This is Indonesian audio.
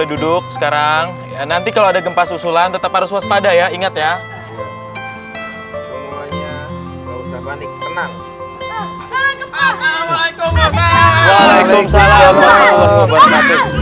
duduk sekarang nanti kalau ada gempas usulan tetap harus waspada ya ingat ya semuanya